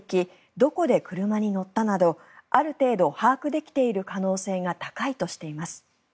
どこで車に乗ったなどある程度、把握できている可能性が高いとしています。